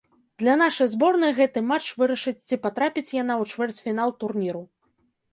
Для нашай зборнай гэты матч вырашыць, ці патрапіць яна ў чвэрцьфінал турніру.